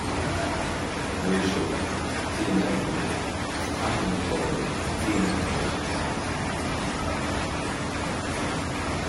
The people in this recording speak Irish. An Maoirseoir, Tithe an Oireachtais, agus Captaen an Gharda, Tithe an Oireachtais, a cheapadh.